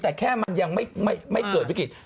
แต่แค่มันยังไม่เกิดวิกฤต